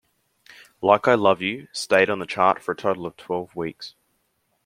"Like I Love You" stayed on the chart for a total of twelve weeks.